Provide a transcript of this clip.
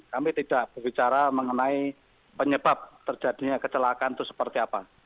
kami tidak berbicara mengenai penyebab terjadinya kecelakaan itu seperti apa